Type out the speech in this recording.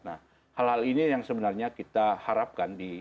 nah hal hal ini yang sebenarnya kita harapkan